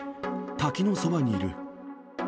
滝のそばにいる。